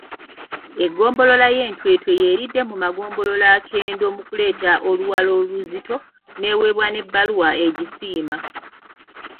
Eggombolola y'e Ntwetwe y'eridde mu magombolola akendo mu kuleeta Oluwalo oluzito n'eweebwa n'ebbaluwa egisiima.